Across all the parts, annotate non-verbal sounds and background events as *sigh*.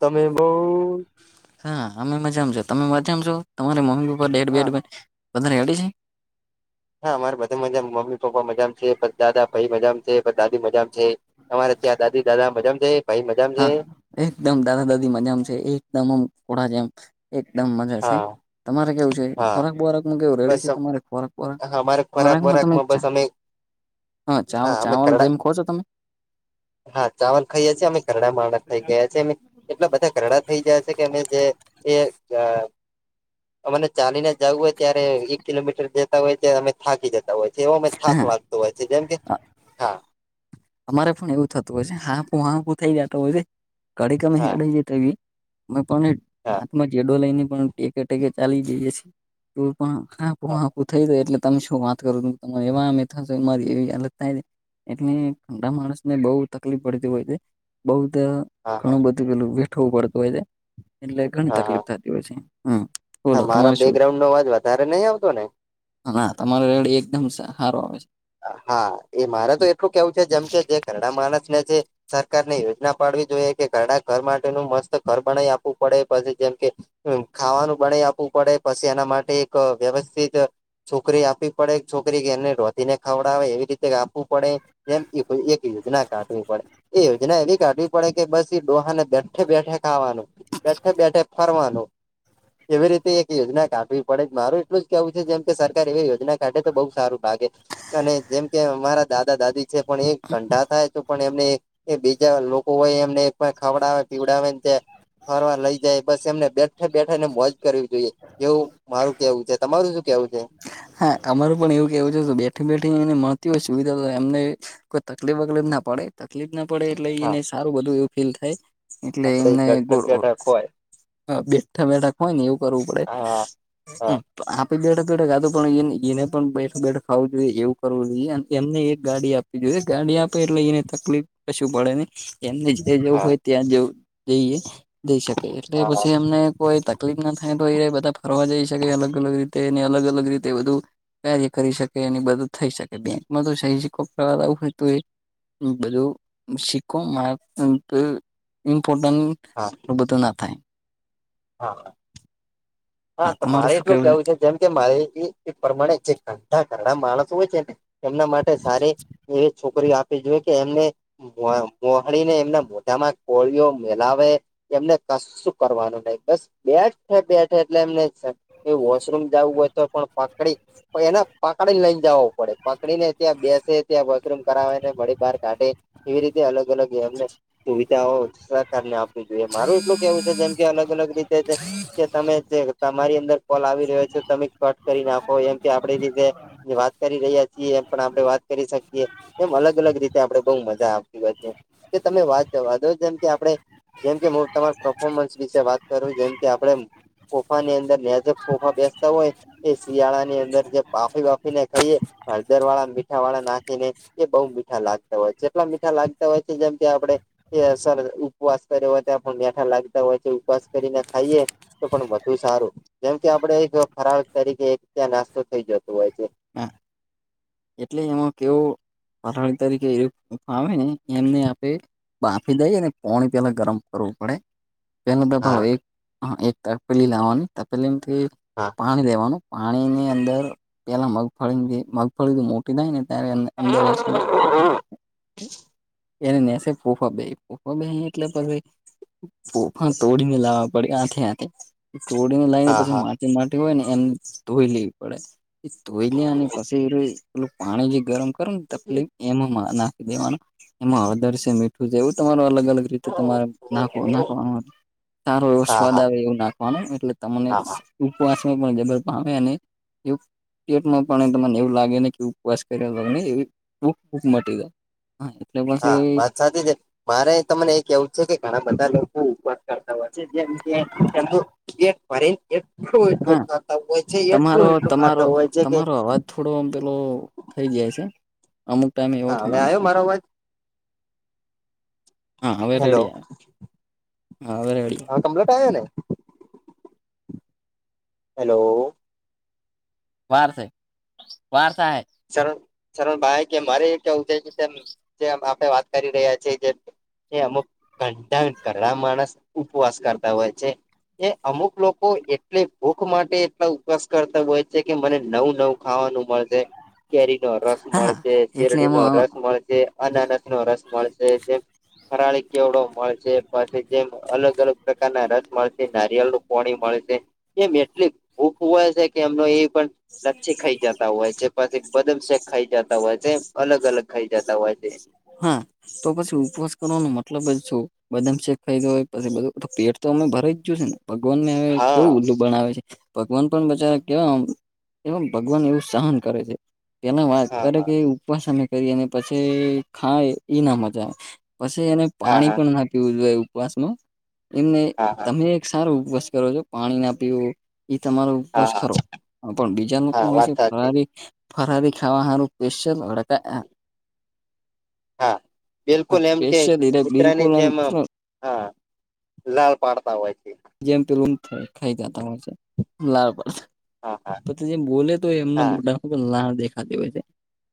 તમે બઉ હા અમે મજામ છો તમે મજા આમ છો તમારે મમ્મી પપ્પા ડેડ હા બેડ વધારે રેડી છે? હા મારે બધા મજા મમ્મી પપ્પા મજા છે દાદા ભાઈ મજા છે દાદી મજા છે. તમારે ત્યાં દાદી દાદા મજા માં છે ભાઈ મજા માં છે? હા એકદમ દાદા દાદી મજા માં છે એકદમ આમ ધોડા જેમ એકદમ મજા છે હા તમારે કેવું છે હા ખોરાક બોરાક નુ કેવું? રેડી બસ છે તમારે ખોરાક અમારે ખોરાક ખોરાકમાં તમે બોરાકમાં બસ અમે હા અમે ચાવલ કરડા જેમ ખો છો તમે હા ચાવલ ખાઈએ છીએ અમે ઘરડા મા થઇ ગયા છીએ અમે એટલા બધા ઘઘડા થઈ જાય છે કે અમે જે એ. અને ચાલીને જવું હોય ત્યારે એક કિલોમીટર જતા હોય ત્યારે અમે થાકી જતા હોય છે એવો અમે થાક હા લાગ તો હોય છે જેમ કે હા અમારે પણ એવું થતું હોય છે હાપું હાપું થઈ જતો હોય છે ઘડી ગમે હા હેળ જ તો એવી. અમે પણ હા હાથમાં જેડો લઈને પણ ટેકે ટેકે ચાલી જઈએ છીએ. તું પણ હાપું હા હાપું થઈ એટલે તમે શું વાત કરો ત તમારે એવામ થશે મારી એવી હાલત થાય એટલે ઠંડા માણસ ને બઉ તકલીફ પડતી હોય છે બઉ હા હ બધું પેલું વેઠવું પડતુ હોય છે એટલે ઘણી હા હા તકલીફ થતી હોય છે. હા બોલો મારા તમારે શું બેકગ્રાન્ડ નો અવાજ વધારે નહીં આવતો ને? હ ના તમારો રેડ એકદમ સારો આવે છે. હા એ મારે તો એટલું કેવું છે જેમ કે જે ધરડા માણસ ને જે સરકાર ને યોજના પાડવી જોઈએ કે ઘરડા ઘર માટેનું મસ્ત ઘર બનાવી આપવું પડે પછી જેમ કે ખાવાનું બનાવી આપવું પડે પછી એના માટે એક વ્યવસ્થિત છોકરી આપી પડે છોકરી કે એને રો તેને ખવડાવે એવી રીતે આપાવું પડે એ એક યોજના કાઢવી પડે. એ યોજના એવી કાઢવી પડે કે બસ એ ડોહા ને બેઠે બેઠે ખાવાનું, બેઠે બેઠે ફરવાનું, એવી રીતે એક યોજના કાઢવી પડે મારું એટલું જ કેવું છે જેમ કે સરકાર એવી યોજના કાઢે તો બઉુ સારું લાગે. અને જેમ કે અમારા દાદા દાદી છે પણ એ ધરડા થાય તો પણ એમને એ બીજા લોકો હોય એમને ખવડાવે પીવડાવેને ફરવા લઈ જાય બસ એમને બે ઠા બેઠા ને મોજ કરવી જોઈએ એવું મારું કેવું છે. તમારું શું કેવું છે? હા અમારું પણ એવું કહેવું છે તો બેઠી બેઠી એને મળતી હોય સુવિધા તો એમને કોઈ તકલીફ વકલીફ ના પડે તકલીફ ના પડે એટલે હા એને સારું બધું એવું ફીલ થાય એટલે આપડે એમને બેઠક ગોળ બેઠક હોય હ બેઠા બેઠા હોય ને એવું કરવું પડે હા હા તો આપે બેઠા બેઠ આ. પણ એને પણ બેઠ બેઠ ખાવું જોઈએ એવું કરવું જોઈએ એમને એક ગાડી આપવી જોઈએ ગાડી આપ લઈને તકલીફ કશું પડે ને એમને જે જવું હા હોય ત્યાં જવું જઈએ જઈ શકે એટલે હા પછી એમને કોય તકલીફ. તકલીફ ના થાય તો એ ર બધા ફરવા જઈ શકે અલગ અલ રીતે ને અલગ અલગ રીતે તે બધું કાર્ય કરી શકે અને બધું થઈ શકે બેંકમાં તો સહેજી કો વા આવું હોય તો એ બધું શીખું મારા ઇમ્પોર્ટન્ટ હા આવુબઘુ ન ના થાય. હા હા હા તો મારે એટલું કેવું છે જેમ કે મારે એ પ્રમાણે જે ઘા ઘરડા માણસ હોય છે ને એમના માટે સારી એવી છોકરીઓ આપવી જોઈએ કે એમને મોહાી ને એમના મોઢામાં કોળીઓ મેલાવે એમને કશું કરવાનું નહીિ બસ બેઠે બેઠે એટલે એમને એ વોશરૂમ જવું હોય તો પણ પાકડી એને પકડીને લઈને જવું પડે પકડીને ત્યાં બેસે ત્યાં વોસ રૂમ કરાવવા ને ઘ બહાર કાઢે એવી રીતે અલગ અલગ એમને સુવિધાઓ સરકારને આપ જોઈએ મારું એટલું કેવું છે જેમ કે અલગ અલગ રીતે કે તમે જે તમારી અંદર કોલ આવી રહ્યો છે તમે કટ કરી નાખો એમ કે આપડી રીતે વાત કરી રહ્યા છીએ એમ પણ આપડણે વાત કરી શકીએ એમ અલગ અલગ રીતે આપડણે બહ મજા આપતી હોય છે કે તમે વાત જો જેમ કે આપણે જેમ કે હું તમારા પરફોર્મન્સ વિશે વાત કરું જેમ કે આપડે કોફા ની અંદર લ્યાજક કોફા બેસતા હોય. એ શિયાળા ની અંદર જે બાફી વાફીને ખાઈએ હળદર વાળા મીઠા વાળા નાખી ને એ બહુ મીઠા લાગતા હોય છે જેટલા મીઠા લાગતા હોય છે જેમ કે આપડે એ સર ઉપવાસ કરે હોય ત્યા પણ મેઠા લાગતા હોય છે ઉપવાસ કરીને ખાઈએ તો પણ વધુ સારું કેમ કે આપડ એક ફરાળ તરીકે એક ત્યાં નાસ્તો થઈ જતો હોય છે. એટલે એમાં કેવળ તરીકે પામે એમને આપે બાફી દઈ અનેને પોણી પેલા ગરમ કરવું પડે. પ તોાડો હા એક ત પેલી લાવવાની પેલી એમથી હા પાણી લેવાનું. પાણી ની અંદર પેલા મગફળી મગફળી મોટી થાય ને ત્યારે અંદર હા રહેશે. હા એને નેસે ફફા બે ફફા બે એટલે પ પોફા તોડીને લાવવા પડે આખે આખે તોડીને લઈ પછી હા માટી માટી હોય ને એને ધોઈ લેવી પડે એ ધોઈ લેની પછી પેલું પાણી જે ગરમ કરો ને તકલીફ એમાં ના દેવાનું એમાં હળદર છે મીઠું છે એવું તમારું અલગ અલગ રીતે તમારે નાખ નાખવાનું હતુ. સારો એવો હા સ્વાદ હા આવે એવું નાખવાનો એટલે તમને હા ઉપવાસ પણ જબર પામે અને પણ લાગે ને કે ઉપવાસ કર લ એ ભૂ ભૂક મટી જાયા એટલે પાસે સાથે જ મારે તમને એ કેવું છે કે ઘણા બધા લોકો ઉપવા કરતા હોય છે જેનું બફરીને એટલું હા એટલું ખાતા હોય છે એટલું તમારો એટલું તમારો ખાતા હોય છે કે તમારો અવાજ થોડો આમ પેલો થઈ જાય છે અમુક ટાઈમ હા એવોથ અને હવે અમુક આવ્યો ટાઈમ મારો અવાજ હા હવે હેલો રેડી હા હવે રેડી હાવે કપલેટ આયો ને હેલો વારથઇ વારથાય શણ શરણ ભાઈ કે મારે કે છે જે આપે વાત કરી રહ્યા છેએ જે એ અમુક ઘડા ઘણા માણસ ઉપવાસ કરતા હોય છે. એ અમુક લોકો એટલે ભૂખ માટે એટલા ઉપવાસ કરતા હોય કે મને નવું નવું ખાવાનું મળશે કેરી નો રસ હા મળશે, એટલે ચેરડી નો એમાં રસ મળશે, અનાનસ નો રસ મળશે, જેમ ફરાળી કેવડો મળશે, પછી જેમ અલગ અલગ પ્રકારના રસ મળશે, નારિયળ નું પોણી મળશે, એમ એટલી ભખ હોય છે કે એમનો એ પણ લચ્છી ખાઈ જતા હોય જે પછી બદામ શેક ખાઈ જતા હોય છે, અલગ અલગ ખાઈ જતા હોય છે. હમ તો પછી ઉપવાસ કરવાનો મતલબ જ શું બદામ શેક ખાયદો હોય પછી બધુ પેટ તો એમનુ ભરાય જ જયુ શે ને ભગવાન ને હ હા કેવું ઉલ્લું બનાવે છે ભગવાન પણ બચારા કેવા એવમ્ ભગવાન એવું સહન કરે છે એના હા કર કે ઉપવાસ અમે કરી પછી ખાય એ ના મજા આવે પછી એને હા પાણી હા પણ ના પીવું જોએ ઉપવાસમાં હા હા હા એમને-તમે એક સારો ઉપવાસ કરો છો. પાણી ના પીવો એ તમારો હા ઉપવાસ હા ખરો પણ બીજા લોકો હા હોય વાત છે સાચી ફરાળી ફરારારી ખાવા હારુ પેશલ લડકા હા બિલકુલ એમ કે એટલે બિલકુલ કુતરાની જેમ આમ હા લાડ પાડતા હોય છે. *unintelligible* હા હા જેમ બોલે તો એમને હા મોઢામાં લાર દેખાતી હોય છે.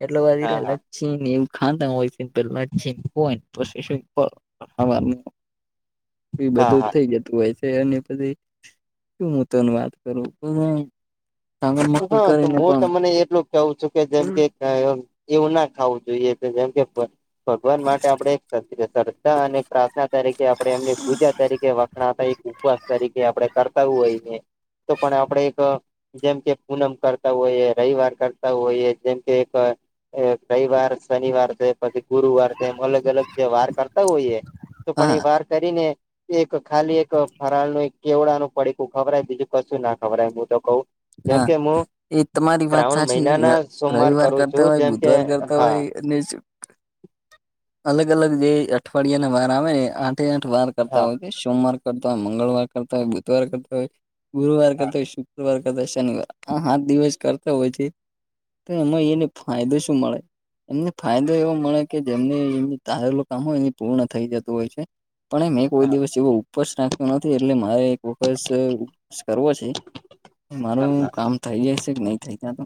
એટલે હા હા હા વરી છીીન એવું ખાતા ઓયન પેલા છીંન હોયને પછી શું ખાવાનું એ હા બધું થઇ જતું હોય. *unintelligible* પછી હું તોને વાત કરું પણ ટાંગર મકર હા તો કરીને હું તમને એટલું કવું છું કે જેમ કે એવું ના ખાવું જોઈએ તો જેમ કે ભગવાન માટે આપણેે એક શ્રદ્ધા અને પ્રાર્થના તરીકે આપણે એમની પૂજા તરીકે વખણાતાં ઉપવાસ તરીકે આપણે કરતા હોઈ સે તો પણ આપણે એક જેમ કે પૂનમ કરતા હોઈએ, રવિવાર કરતા હોઈએ, જેમ કે એક એ રઈવાર શનિવાર દ- પછી ગુરુવાર જેમ અલગ અલગ જે વાર કરતા હોઈએ તો પણ હા એ વાર કરીને એક ખાલી એક ફરાળ નું એક કેવડાનું પડીકું ખવરાય બીજું કશું ના ખવરાય હું તો કઉ જેમ હા કે હું એ તમારી વાત શ્રાવણ સાચી મહિનાના સોમવાર રવિવાર કરું છું કરતા હોય, જેમ કે બુધવાર કરતા હા હોય અને અલગ અલગ જે અઠવાડિયા ને બહાર આવે ને આઠે આઠ વાર કરતા હા હોય સોમવાર કરતા હોય, મંગળવાર કરતા હોય, બુધવાર કરતા હોય ગુરુવાર હા કરતા હોય, શુક્રવાર કરતા, શનિવાર આ હાત દિવસ કરતા હોય છે. તો એમાં એને ફાયદો શું મળે? એમને ફાયદો એવો મળે કે જેમને એમને ધારેલુ કામ હોય એ પૂર્ણ થઈ જતું હોય છે, પણ એમ કોઈ હા દિવસ એવો ઉપપસ રાખ્યો નથી એટલે મારે એક વખસ ઉ.. કરવો છે હા મારું હા કામ થઈ જાય છે કે નહી થઈ જાય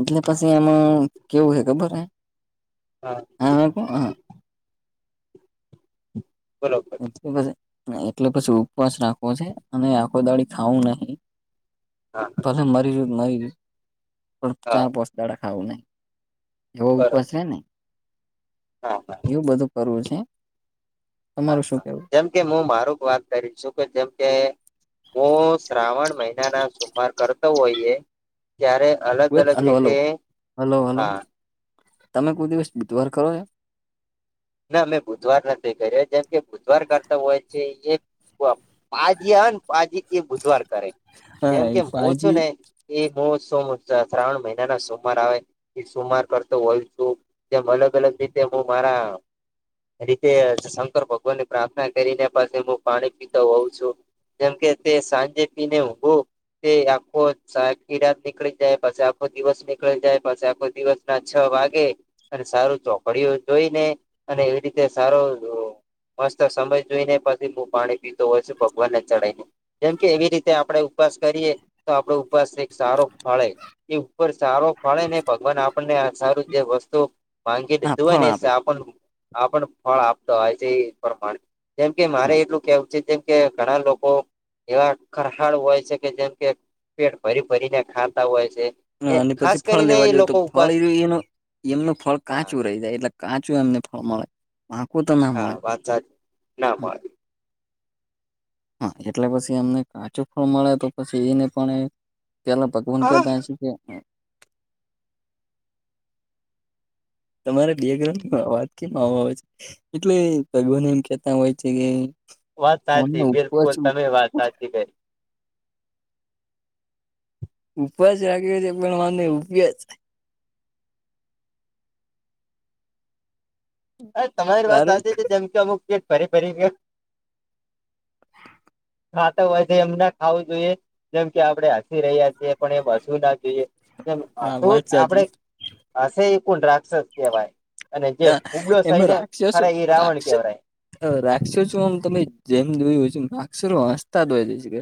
એટલે પછી એમાં કેવું હ ખબર હ હા હ હ બોલો એટલે પછી ઉપવાસ રાખવો છે અને આખો દાડે ખાવું નહી હા હા ભલે મરી જય, મરી પણ હા ચાર પોસ દાડા ખાવું નહી એવો ઉપાસ બરોબર રે ને હા એવું બધું કરવું છે. તમારું શું કેવું જેમકે હું મારું વાત કરી છું કે જેમકે હું શ્રાવણ મહિના ના સોમવાર કરતો હોઈએ ત્યારે અલગ અલગ હલો હલો રીતે હલો હલો હા. તમે કોઈ દિવસ બુધવાર કરો? ના અમે બુધવાર નથી કર્યો જેમ કે બુધવાર કરતા હોય છે એ પાજી ને પાજી એ બુધવાર કરે હા જેમ એ કે હું છું પાજી ને *unintelligible* સોમાર કરતો હોય છું તેમ અલગ અલગ રીતે હું મારા રીતે શંકર ભગવાન ની પ્રાર્થના કરીને પાછ હું પાણી પીતો હોઉ છું. જેમકે તે સાંજે પીને હો. તે આખો સાહેબ કીરા નીકળી જાય પાછ આખો દિવસ નીકળી જાય પાછ આખો દિવસ. ના છ વાગે અને સારું ચોકડીઓ જોઈને અને એવી રીતે સારો. મસ્ત સમય જોઈને પછી હું પાણી પીતો હોય છું ભગવાનને ચઢી ને. જેમ કે એવી રીતે આપડણે ઉપવાસ કરીએ તો આપડો ઉપવાસ એક સારો ફળે. એ ઉપર સારો ફળે ને ભગવાન આપણને આ સારું જે વસ્તુ. માંગી હા લીધું હોય ફળ ને આપે આપ આપણ ફળ આપતો હોય છે એ પ્રમાણે. જેમ કે મારે હા એટલું કેવું છે જેમ કે ઘણા લોકો. એવા ખરહાળ હોય છે કે જેમ કે પેટ ભરી ભરીને ખાતા હોય છે. એ અને ખાસ પછી ફળ કરીને એ લેવા જોઈએ તો લોકો ફળ ઉપવાસ એ એનું એમનું ફળ હા કાચું રહી જાય એટલે. કાચું એમને ફળ મળે. હ કો તમે. હા વાંત સાચી ના મળ. હા એટલે પછી એમને કાચું ફળ મળે તો પછી એને પણ પેલા. ફન કતા મળે છે કે. તમારે બે્રની વાત કેમ આવ આવેય છે એટલે ભગવાન એમ કેતા હોય છે કે. વાત ઓને સાચી ઉપવાસ બિલકુલ તમે વાત સાચી ગઈ. ઉપવાસ રાખ્યો છે પણ વાંધ નહી ઉપ જ. અરે તમારી વાત તારું સાચી છે જેમ કે અમુક કેટ ફરી ફરી ગ. ખા તો હછ એમને ખાવું જોઈએ જેમ કે આપડે હસી રહ્યા છીએ. પણ એ બસું ના જોઈએ શું હા વાત સાચી આપણે. હશે એું રાક્ષસ કહેવાય અને જે ના, ફુબડો સય ને ખરા એ રાવણ કહેવાય. રાક્ષર છો આમ તમે જેમ જોયું હોય છે રાક્ષો હસતા ધ હોય જાય છે કે.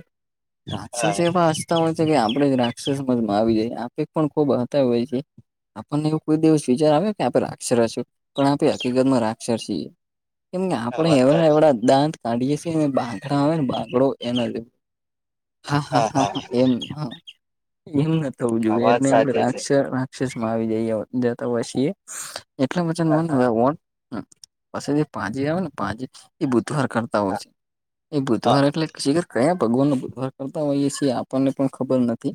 રાજસો હા છે પાસ. હોય છે કે આપણેે જ રાક્ષસજમાં આવી જાય આપે પણ ખુબ હોય છે. આપણનેવું કઈ દઉવ છું વિચાર આવે ક્યાંે રાક્ષર છે. પણ આપે હકીકત રાક્ષર છીએ કેમ હા આપણે એ વાત સાચી એ દાંત. તાડીએ છેને બાંગડા આવે ને બાંગડો એના. હા હા હા હા એમ હ. એમ ન થવું હા જોઈએ વાત એટને આપણે સાચી રા છે રાક્ષસ માં આવી જઈ જતા હો છીએ. એટ મજા પછી હા હા પા આવે ને પા. એ બુતવાર કરતા હોય હા છે એ હા બૂતવાર એટલે શર. કયા ભગવાન ન પા કરતા હોઈએ છીએ આપણને પણ ખબર નથી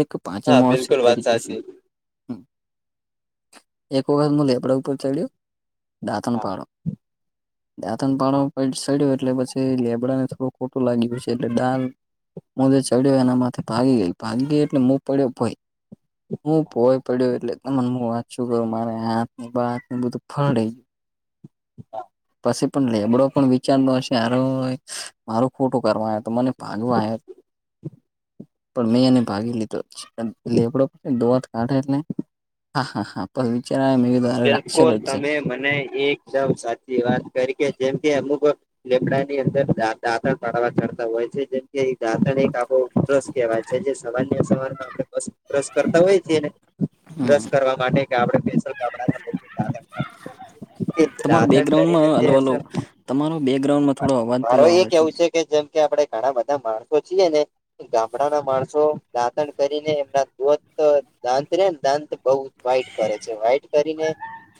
એક. પાચી હા મોસલ બિલકુલ તકે વાત છે. સાચી એકોવ ક મુ લ એપડ પો ચડ દાતાને પાડ. *unintelligible* દાંતન પાળો સડ્યો એટલે પછી લેબડાને થોડું ખોટું લાગી્યું છે એટલે દાળ. મુદે ચડ્યો એના માથે ભાગી ગઈ ભાગી ગઈ એટલે મો પડ્યો ભય. હું પોય પડ્યો એટલે તને હું વાંચુ. મારે હાથની બાતું બધું ફળઈ ગયું. *unintelligible* પછી પણ લેબડો પણ વિચાર ન હશે હારો મારું ખોટું કરવા આવ તો મને ભાગવા આવ. *inaudible* પણ મેં એને ભાગી લીધો છે, લેપડો દોત કાઢે એટલે હા હા હા પણ વિચાર મે બિલકુલ તમે મને એકદમ સાચી વાત કરી કે જેમ કે અમુક લેપડા ની અંદર દાંતણ પાડવા કરતા હોય છે, જેમ કે દાંતણ એક આપો ક્રસ કેવાય છે જે સવાલ ની અ સવાલમાં આપણે ક્રસ કરતા હોય છીએને, હમ બ્રશ કરવા માટે કે આપડે *unintelligible* એ તમારું દાતણ કરીને બેકગ્રાઉન્ડમાં જે હલો હલો હશે તમારો બેકગ્રાઉન્ડમાં થોડો અવાજ પેલો મારૂ ઈ આવે કેવું છે. કે જેમ, કે આપડણે ઘણા બધા માણસો છીએ ને ગામડાના માણસો દાંતણ કરીન, એમના દોત દાંત ને દાંત બઉ વાઈટ કરે છે, વ્હાઈટ કરીને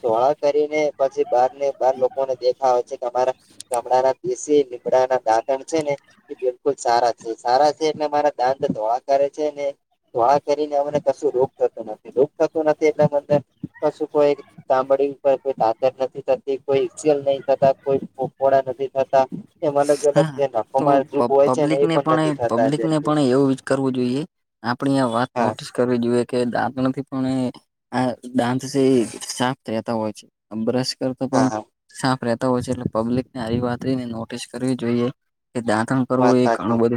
તો આ કરીને પછી બાર ને બાર લોકોને દેખા હોય છે કે અમારા ગામડા ના દેશી લીમડા ના દાંતણ છે ને એ બિલકુલ સારા છે, સારા છે એટલે મારા દાત ધોળા કરે છે ને ધોડા કરીને અમને કશું રોગ થતો નથી રોગ થતો નથી એટલેંદર કશું કોઈ સાામડી ઉપ કોઈ ધાધર થતી નથી, કોઈસેલ નહી થતા કોઈ પપોળા નથી થતા એમ અલગ અલગ જે હા, તો નખોમાં દુઃખ હોય છે પબ્લિક એ ને નથી પણ થતા પબ્લિક જેમ ને કે પણ એવું કરવું જોઈએ આપણી આ વાત હા નોટિસ કરવી જોઈએ, કે દાંત નથી પણ આ દાંત છે, સાફ રહેતા હોય છે, આ બ્રશ હા પણ હા સાફ રહેતા હોય છે, એટલે પબ્લિક ને આવી વાતને નોટિસ કરવી જોઈએ કે દાંતણ કરવું વાત એ સાચી ઘણું બધું